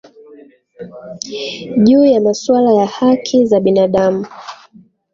juu ya masuala ya haki za binaadamu